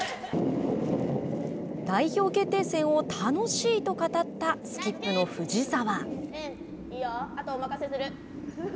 代表決定戦を楽しいと語ったスキップの藤澤。